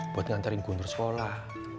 buat nganterin gunur sekolah